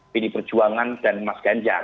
pilih perjuangan dan emas ganjar